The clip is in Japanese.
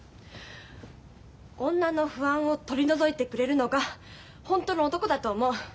女の不安を取り除いてくれるのがホントの男だと思う。